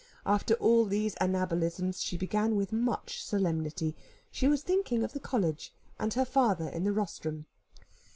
After all these anabolisms, she began with much solemnity. She was thinking of the College, and her father in the rostrum.